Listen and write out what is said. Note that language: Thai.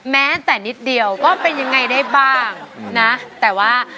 แม้แต่นิดเดียวก็เป็นยังไงได้บ้างนะแต่ว่า